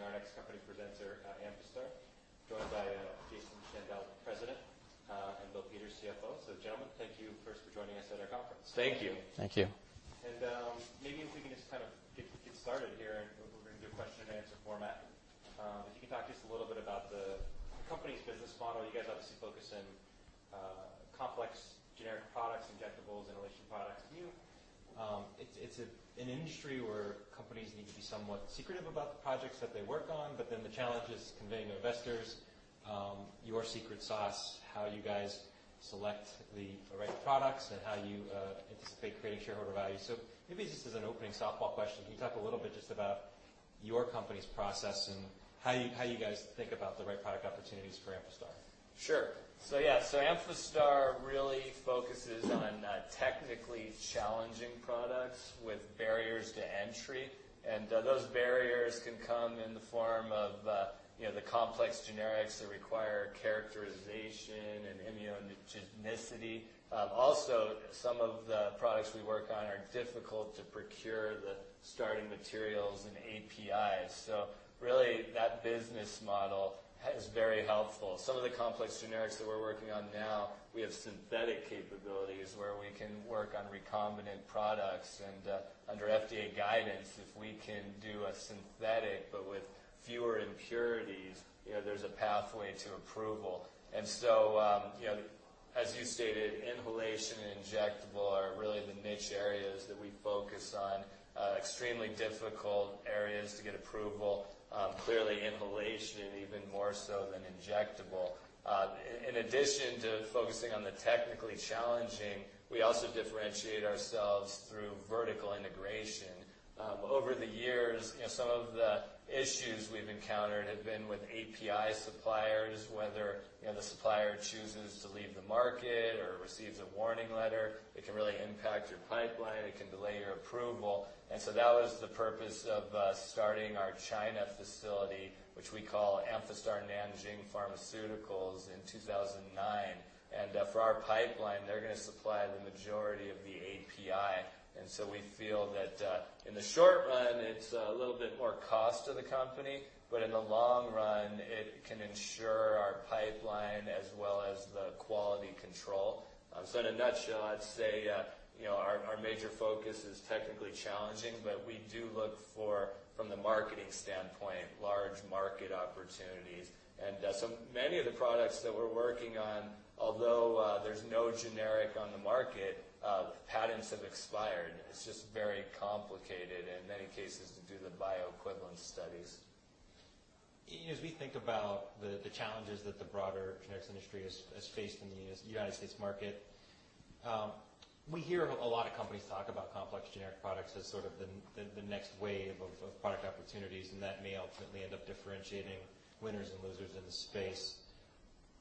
I'm an analyst at Bank of America, and I'm pleased to be introducing our next company presenter, Amphastar, joined by Jason Shandell, President, and Bill Peters, CFO, so gentlemen, thank you first for joining us at our conference. Thank you. Thank you. And maybe if we can just kind of get started here, and we're going to do a question-and-answer format. If you can talk just a little bit about the company's business model. You guys obviously focus on complex, generic products, injectables, inhalation products. It's an industry where companies need to be somewhat secretive about the projects that they work on, but then the challenge is conveying to investors your secret sauce, how you guys select the right products, and how you anticipate creating shareholder value. So maybe just as an opening softball question, can you talk a little bit just about your company's process and how you guys think about the right product opportunities for Amphastar? Sure. So yeah, so Amphastar really focuses on technically challenging products with barriers to entry. And those barriers can come in the form of the complex generics that require characterization and immunogenicity. Also, some of the products we work on are difficult to procure the starting materials and APIs. So really, that business model is very helpful. Some of the complex generics that we're working on now, we have synthetic capabilities where we can work on recombinant products. And under FDA guidance, if we can do a synthetic but with fewer impurities, there's a pathway to approval. And so, as you stated, inhalation and injectable are really the niche areas that we focus on, extremely difficult areas to get approval, clearly inhalation even more so than injectable. In addition to focusing on the technically challenging, we also differentiate ourselves through vertical integration. Over the years, some of the issues we've encountered have been with API suppliers, whether the supplier chooses to leave the market or receives a warning letter. It can really impact your pipeline. It can delay your approval, and so that was the purpose of starting our China facility, which we call Amphastar Nanjing Pharmaceuticals, in 2009, and for our pipeline, they're going to supply the majority of the API, and so we feel that in the short run, it's a little bit more cost to the company, but in the long run, it can ensure our pipeline as well as the quality control, so in a nutshell, I'd say our major focus is technically challenging, but we do look for, from the marketing standpoint, large market opportunities, and so many of the products that we're working on, although there's no generic on the market, patents have expired. It's just very complicated in many cases to do the bioequivalence studies. As we think about the challenges that the broader generics industry has faced in the United States market, we hear a lot of companies talk about complex generic products as sort of the next wave of product opportunities, and that may ultimately end up differentiating winners and losers in the space.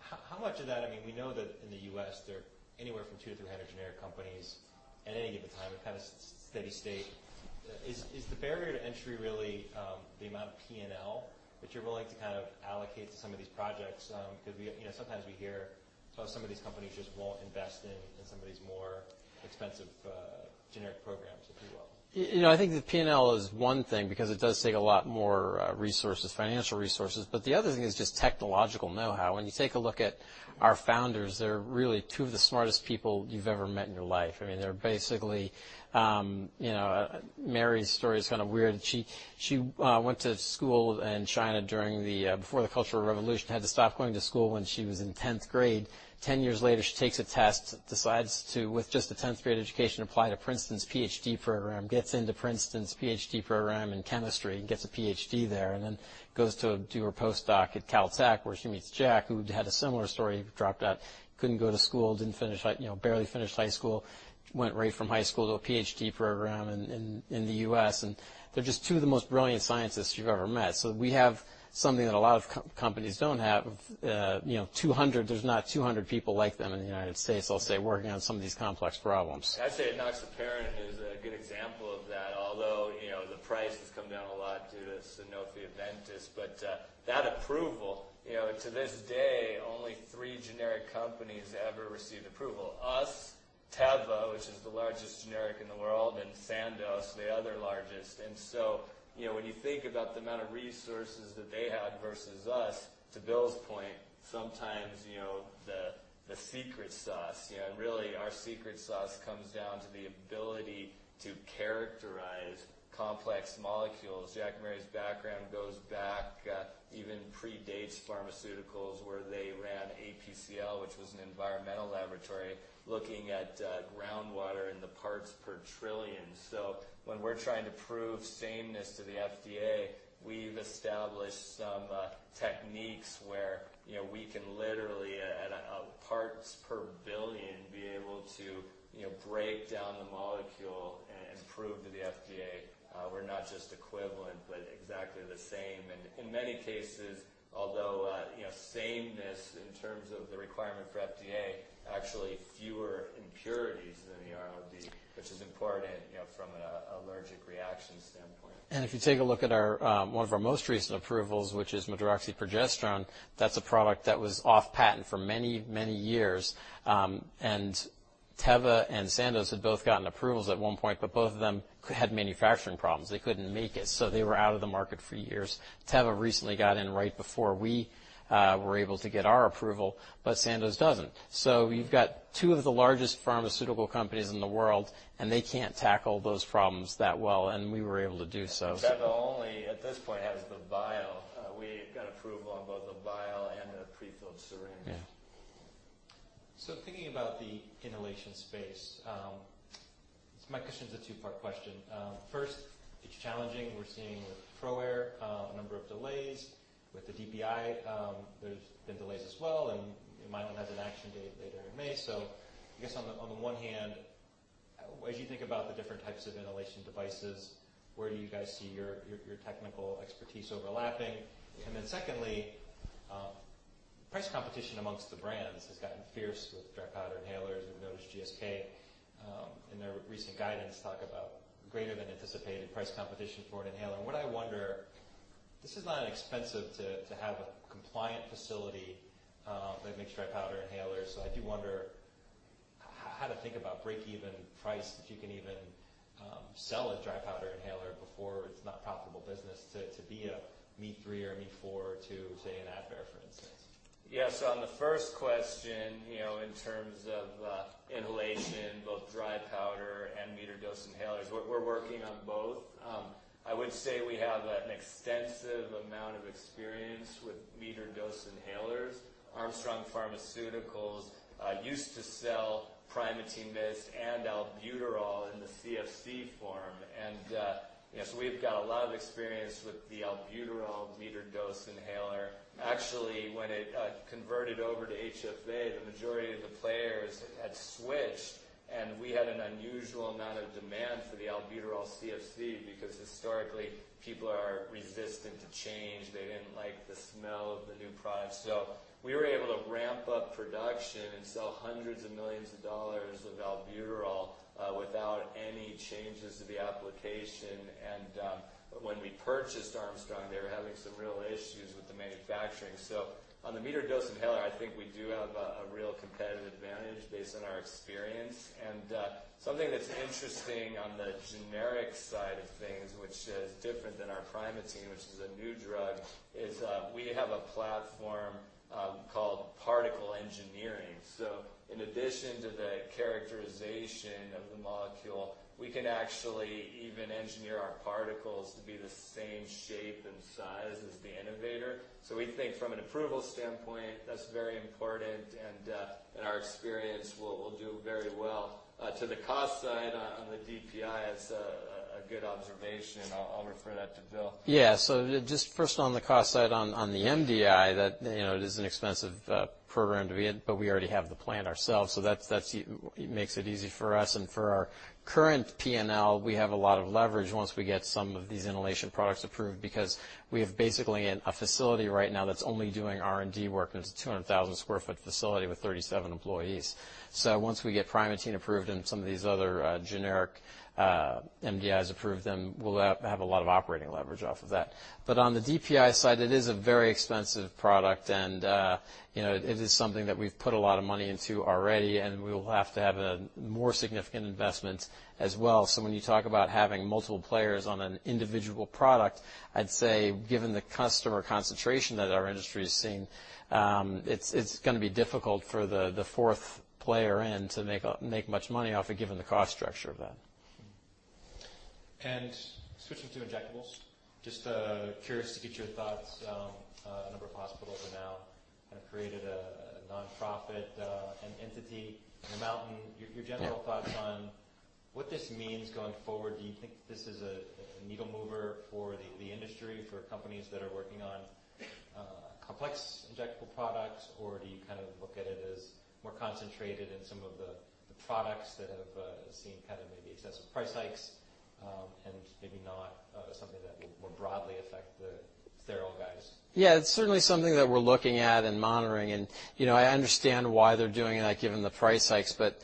How much of that, I mean, we know that in the U.S., there are anywhere from two-three hundred generic companies at any given time, kind of steady state. Is the barrier to entry really the amount of P&L that you're willing to kind of allocate to some of these projects? Because sometimes we hear some of these companies just won't invest in some of these more expensive generic programs, if you will. I think the P&L is one thing because it does take a lot more resources, financial resources. But the other thing is just technological know-how. When you take a look at our founders, they're really two of the smartest people you've ever met in your life. I mean, they're basically. Mary's story is kind of weird. She went to school in China before the Cultural Revolution, had to stop going to school when she was in 10th grade. 10 years later, she takes a test, decides to, with just a 10th-grade education, apply to Princeton's PhD program, gets into Princeton's PhD program in chemistry, gets a PhD there, and then goes to do her postdoc at Caltech, where she meets Jack, who had a similar story, dropped out, couldn't go to school, barely finished high school, went right from high school to a PhD program in the U.S. They're just two of the most brilliant scientists you've ever met. We have something that a lot of companies don't have. There's not 200 people like them in the United States, I'll say, working on some of these complex problems. I'd say enoxaparin is a good example of that, although the price has come down a lot due to Sanofi-Aventis, but that approval, to this day, only three generic companies ever received approval: us, Teva, which is the largest generic in the world, and Sandoz, the other largest, and so when you think about the amount of resources that they had versus us, to Bill's point, sometimes the secret sauce, and really, our secret sauce comes down to the ability to characterize complex molecules. Jack and Mary's background goes back, even predates pharmaceuticals, where they ran APCL, which was an environmental laboratory, looking at groundwater in the parts per trillion. So when we're trying to prove sameness to the FDA, we've established some techniques where we can literally, at parts per billion, be able to break down the molecule and prove to the FDA we're not just equivalent but exactly the same. And in many cases, although sameness in terms of the requirement for FDA, actually fewer impurities than the RLD, which is important from an allergic reaction standpoint. And if you take a look at one of our most recent approvals, which is medroxyprogesterone, that's a product that was off-patent for many, many years. And Teva and Sandoz had both gotten approvals at one point, but both of them had manufacturing problems. They couldn't make it, so they were out of the market for years. Teva recently got in right before we were able to get our approval, but Sandoz doesn't. So you've got two of the largest pharmaceutical companies in the world, and they can't tackle those problems that well, and we were able to do so. Teva only, at this point, has the vial. We got approval on both the vial and the prefilled syringe. Yeah. So thinking about the inhalation space, my question is a two-part question. First, it's challenging. We're seeing with ProAir a number of delays. With the DPI, there's been delays as well, and Amneal has an action date later in May. So I guess on the one hand, as you think about the different types of inhalation devices, where do you guys see your technical expertise overlapping? And then secondly, price competition amongst the brands has gotten fierce with dry powder inhalers. We've noticed GSK, in their recent guidance, talk about greater-than-anticipated price competition for an inhaler. And what I wonder; this is not inexpensive to have a compliant facility that makes dry powder inhalers. So I do wonder how to think about break-even price if you can even sell a dry powder inhaler before it's not a profitable business to be a me-too three or me-too four to, say, an Advair, for instance. Yeah. So on the first question, in terms of inhalation, both dry powder and metered-dose inhalers, we're working on both. I would say we have an extensive amount of experience with metered-dose inhalers. Armstrong Pharmaceuticals used to sell Primatene Mist and albuterol in the CFC form. And so we've got a lot of experience with the albuterol metered-dose inhaler. Actually, when it converted over to HFA, the majority of the players had switched, and we had an unusual amount of demand for the albuterol CFC because historically, people are resistant to change. They didn't like the smell of the new product. So we were able to ramp up production and sell hundreds of millions of dollars of albuterol without any changes to the application. And when we purchased Armstrong, they were having some real issues with the manufacturing. So on the metered-dose inhaler, I think we do have a real competitive advantage based on our experience. And something that's interesting on the generic side of things, which is different than our Primatene, which is a new drug, is we have a platform called particle engineering. So in addition to the characterization of the molecule, we can actually even engineer our particles to be the same shape and size as the innovator. So we think from an approval standpoint, that's very important. And in our experience, we'll do very well. To the cost side on the DPI, that's a good observation. I'll refer that to Bill. Yeah. So just first on the cost side on the MDI, that it is an expensive program to be, but we already have the plant ourselves. So that makes it easy for us. And for our current P&L, we have a lot of leverage once we get some of these inhalation products approved because we have basically a facility right now that's only doing R&D work. It's a 200,000 sq ft facility with 37 employees. So once we get Primatene approved and some of these other generic MDIs approved, then we'll have a lot of operating leverage off of that. But on the DPI side, it is a very expensive product, and it is something that we've put a lot of money into already, and we will have to have a more significant investment as well. So when you talk about having multiple players on an individual product, I'd say, given the customer concentration that our industry is seeing, it's going to be difficult for the fourth player in to make much money off it, given the cost structure of that. Switching to injectables, just curious to get your thoughts. A number of hospitals have now kind of created a nonprofit entity in the mountains. Your general thoughts on what this means going forward? Do you think this is a needle-mover for the industry, for companies that are working on complex injectable products, or do you kind of look at it as more concentrated in some of the products that have seen kind of maybe excessive price hikes and maybe not something that will more broadly affect the sterile guys? Yeah. It's certainly something that we're looking at and monitoring, and I understand why they're doing that, given the price hikes, but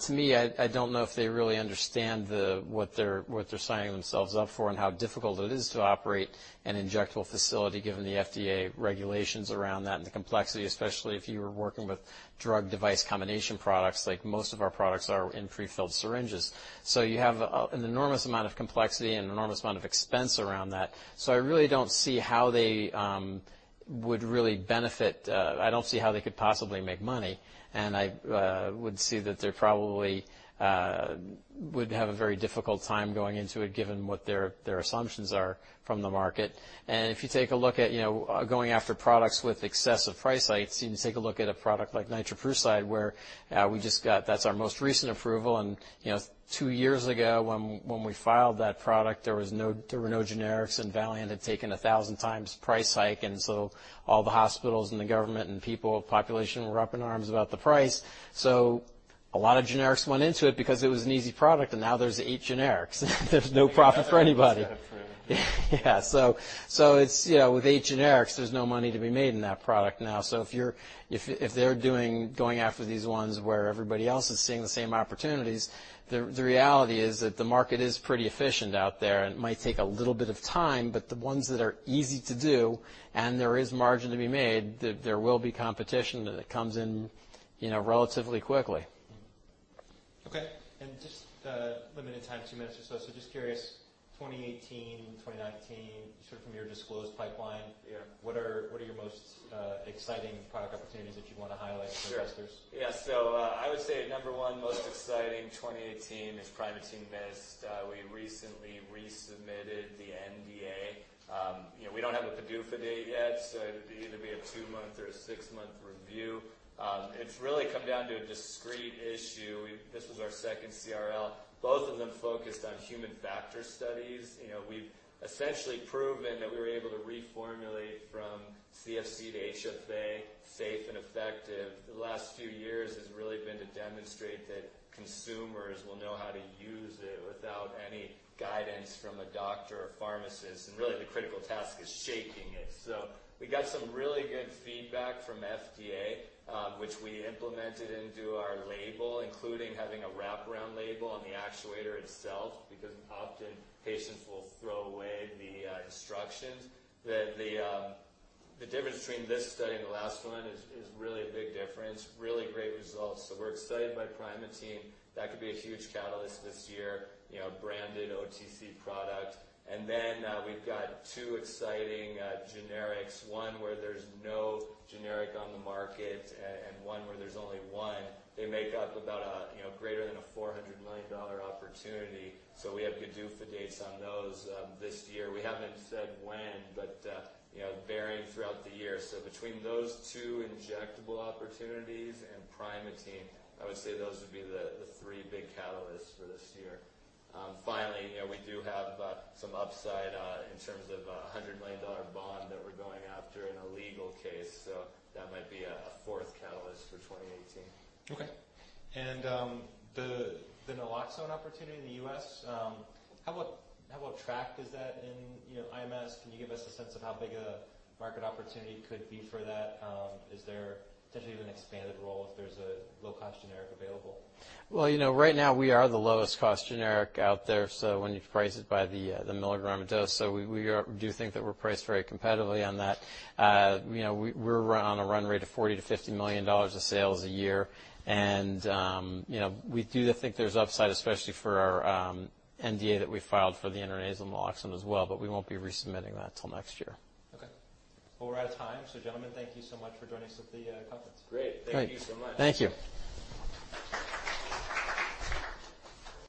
to me, I don't know if they really understand what they're signing themselves up for and how difficult it is to operate an injectable facility, given the FDA regulations around that and the complexity, especially if you were working with drug-device combination products, like most of our products are in prefilled syringes. So you have an enormous amount of complexity and an enormous amount of expense around that, so I really don't see how they would really benefit. I don't see how they could possibly make money, and I would see that they probably would have a very difficult time going into it, given what their assumptions are from the market. And if you take a look at going after products with excessive price hikes, you can take a look at a product like nitroprusside, where we just got that. That's our most recent approval. And two years ago, when we filed that product, there were no generics, and Valeant had taken a thousand times price hike. And so all the hospitals and the government and people, population were up in arms about the price. So a lot of generics went into it because it was an easy product, and now there's eight generics. There's no profit for anybody. That's true. Yeah. So with eight generics, there's no money to be made in that product now. So if they're going after these ones where everybody else is seeing the same opportunities, the reality is that the market is pretty efficient out there. And it might take a little bit of time, but the ones that are easy to do and there is margin to be made, there will be competition that comes in relatively quickly. Okay. And just limited time, two minutes or so. So just curious, 2018, 2019, sort of from your disclosed pipeline, what are your most exciting product opportunities that you want to highlight for investors? Sure. Yeah. So I would say number one most exciting 2018 is Primatene Mist. We recently resubmitted the NDA. We don't have a PDUFA date yet, so it'd either be a two-month or a six-month review. It's really come down to a discrete issue. This was our second CRL. Both of them focused on human factor studies. We've essentially proven that we were able to reformulate from CFC to HFA safe and effective. The last few years has really been to demonstrate that consumers will know how to use it without any guidance from a doctor or pharmacist, and really, the critical task is shaking it. So we got some really good feedback from FDA, which we implemented into our label, including having a wraparound label on the actuator itself because often patients will throw away the instructions. The difference between this study and the last one is really a big difference. Really great results, so we're excited by Primatene. That could be a huge catalyst this year, a branded OTC product. And then we've got two exciting generics, one where there's no generic on the market and one where there's only one. They make up about a greater than a $400 million opportunity. So we have PDUFA dates on those this year. We haven't said when, but varying throughout the year. So between those two injectable opportunities and Primatene, I would say those would be the three big catalysts for this year. Finally, we do have some upside in terms of a $100 million bond that we're going after in a legal case. So that might be a fourth catalyst for 2018. Okay. And the naloxone opportunity in the U.S., how well-tracked is that in IMS? Can you give us a sense of how big a market opportunity could be for that? Is there potentially an expanded role if there's a low-cost generic available? Right now, we are the lowest-cost generic out there. When you price it by the milligram dose, we do think that we're priced very competitively on that. We're on a run rate of $40-$50 million of sales a year. We do think there's upside, especially for our NDA that we filed for the intranasal naloxone as well, but we won't be resubmitting that until next year. Okay. Well, we're out of time. So gentlemen, thank you so much for joining us at the conference. Great. Thank you so much. Thank you.